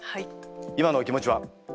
今のお気持ちは？